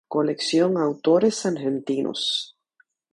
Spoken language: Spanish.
Colección Autores Argentinos.